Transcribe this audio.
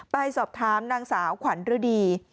ไปสอบถามนางสาวขวัญฤดี